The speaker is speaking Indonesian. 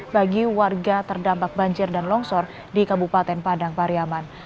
bagi warga terdampak banjir dan longsor di kabupaten padang pariaman